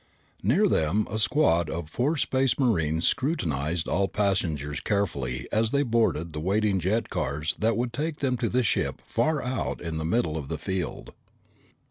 Near them, a squad of four Space Marines scrutinized all passengers carefully as they boarded the waiting jet cars that would take them to the ship far out in the middle of the field.